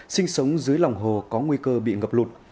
sinh sống dưới lòng hồ có nguy cơ bị ngập lụt